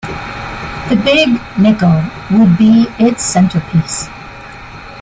The Big Nickel would be its centrepiece.